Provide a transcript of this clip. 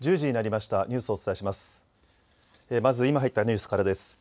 まず今入ったニュースからです。